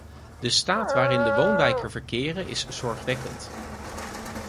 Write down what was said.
De staat waarin de woonwijken verkeren, is zorgwekkend.